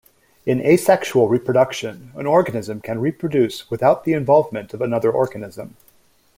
In asexual reproduction, an organism can reproduce without the involvement of another organism.